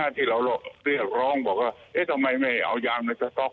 ว่าการเรียกร้องเอามายไม่เหล่ายางนัตรโต๊ค